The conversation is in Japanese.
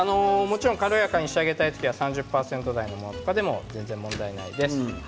軽やかに仕上げたい時は３０％ぐらいでも問題ないです。